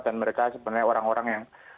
dan mereka sebenarnya orang orang yang